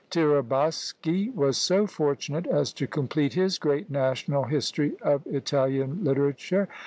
Tiraboschi was so fortunate as to complete his great national history of Italian literature.